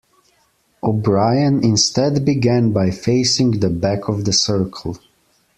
O'Brien instead began by facing the back of the circle.